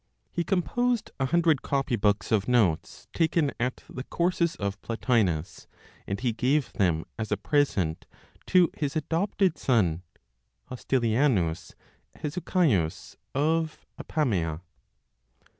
He composed a hundred copy books of notes taken at the courses of Plotinos, and he gave them as a present to his adopted son, Hostilianus Hesychius, of Apamea.